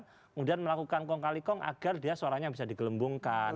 kemudian melakukan kong kali kong agar dia suaranya bisa digelembungkan